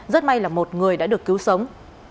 rất may là một người đã được cứu sống